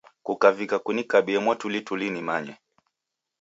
Kukavika kunikabie mwatulituli nimanye.